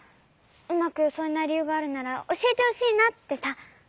うまくよそえないりゆうがあるならおしえてほしいなってさ。